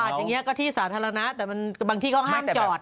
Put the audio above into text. อย่างนี้ก็ที่สาธารณะแต่มันบางที่เขาห้ามจอด